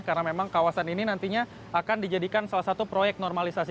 karena memang kawasan ini nantinya akan dijadikan salah satu proyek normalisasi